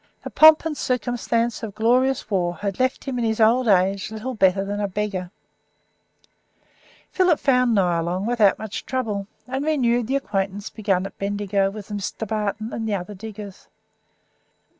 The pomp and circumstance of glorious war had left him in hisold age little better than a beggar. Philip found Nyalong without much trouble, and renewed the acquaintance begun at Bendigo with Mr. Barton and the other diggers.